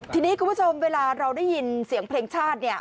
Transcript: ทีนี้คุณผู้ชมเวลาเราได้ยินเสียงเพลงชาติเนี่ย